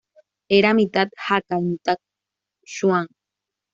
Era mitad hakka y mitad zhuang.